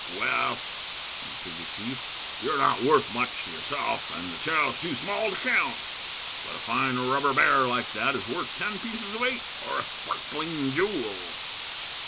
"Well," answered the chief, "you're not worth much, yourself, and the child's too small to count; but a fine rubber bear like that is worth ten pieces of eight or a sparkling jewel."